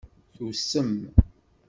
Tusem.